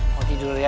mau tidur ya